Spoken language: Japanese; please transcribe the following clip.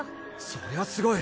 そりゃすごい。